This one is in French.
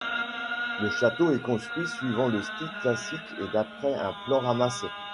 Le château est construit suivant le style classique et d'après un plan ramassé.